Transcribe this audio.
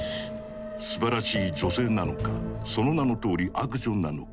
「すばらしい女性」なのか「その名のとおり悪女」なのか。